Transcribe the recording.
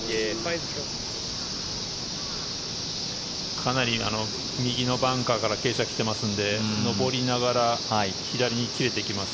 かなり右のバンカーから傾斜が来ていますので上りながら左に切れていきます。